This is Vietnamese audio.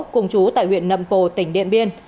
cùng chú tại huyện nầm pồ tỉnh điện biên